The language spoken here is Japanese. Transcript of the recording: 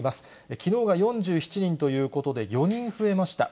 きのうが４７人ということで４人増えました。